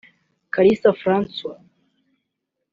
Kalisa François